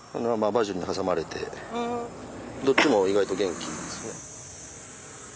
バジルに挟まれてどっちも意外と元気ですね。